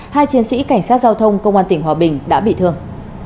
hai chiến sĩ cảnh sát giao thông công an tỉnh hòa bình đã bị thương